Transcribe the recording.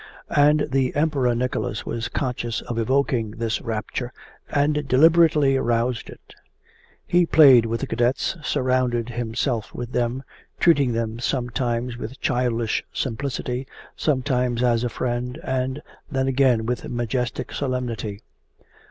And the Emperor Nicholas was conscious of evoking this rapture and deliberately aroused it. He played with the cadets, surrounded himself with them, treating them sometimes with childish simplicity, sometimes as a friend, and then again with majestic solemnity.